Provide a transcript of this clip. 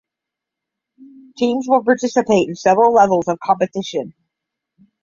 Teams will participate in several levels of competition.